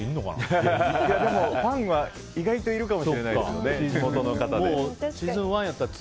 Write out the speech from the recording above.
でもファンは意外といるかもしれないですよね。